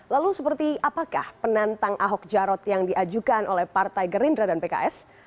lalu seperti apakah penantang ahok jarot yang diajukan oleh partai gerindra dan pks